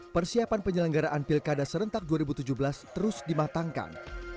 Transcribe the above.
persiapan penyelenggaraan pilkada serentak dua ribu tujuh belas terus dimatangkan